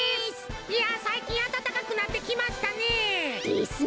いやさいきんあたたかくなってきましたね。ですね。